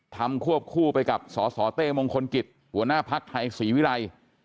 ควบคู่ไปกับสสเต้มงคลกิจหัวหน้าภักดิ์ไทยศรีวิรัย